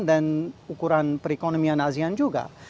dan ukuran perekonomian asean juga